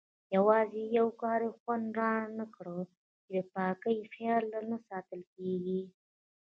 یوازې یو کار یې خوند رانه کړ چې د پاکۍ خیال نه ساتل کېږي.